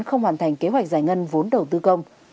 không hoàn thành kế hoạch giải ngân vốn đầu tư công